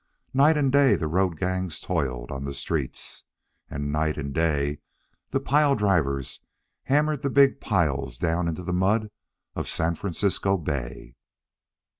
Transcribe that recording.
Night and day the road gangs toiled on the streets. And night and day the pile drivers hammered the big piles down into the mud of San Francisco Bay.